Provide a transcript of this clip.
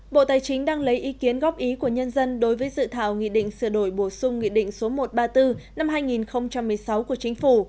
bộ tài chính đang lấy ý kiến góp ý của nhân dân đối với dự thảo nghị định sửa đổi bổ sung nghị định số một trăm ba mươi bốn năm hai nghìn một mươi sáu của chính phủ